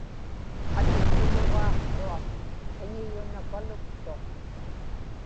atikulugaaqtuaq qiñiyunapaluktuq